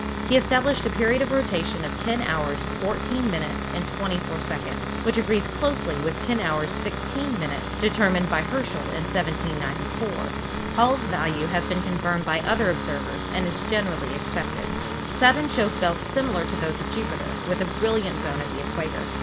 He established a period of rotation of 10 hours, 14 min. and 24 sec, which agrees closely with 10 hours, 16 min. determined by Her schel in 1794. Hall's value has been confirmed by other observers and is generally accepted. Saturn shows belts similar to those of Jupiter, with a brilliant zone at the equator.